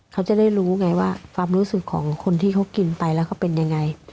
เขาจะได้รู้ไงว่าความรู้สึกของคนที่เขากินไปแล้วเขาเป็นยังไง